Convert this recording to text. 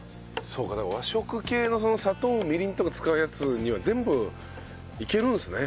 そうかだから和食系の砂糖みりんとか使うやつには全部いけるんですね。